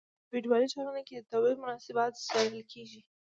په فیوډالي ټولنه کې د تولید مناسبات څیړل کیږي.